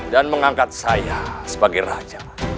dan mengangkat saya sebagai raja